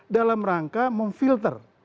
dalam rangka memfilter